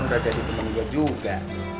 gue siapin juga